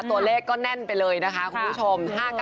ตัวเลขก็แน่นไปเลยนะคะคุณผู้ชม